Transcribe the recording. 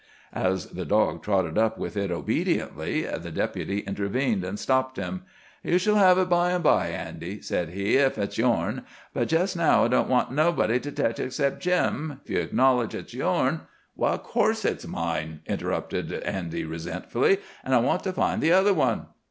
As the dog trotted up with it obediently, the Deputy intervened and stopped him. "You shall have it bime by, Andy," said he, "ef it's yourn. But jest now I don't want nobody to tech it except Jim. Ef you acknowledge it's yourn—" "Of course it's mine," interrupted Andy resentfully. "An' I want to find the other one."